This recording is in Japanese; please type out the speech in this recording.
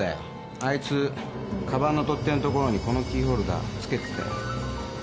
あいつ鞄の取っ手のところにこのキーホルダー付けてたよ。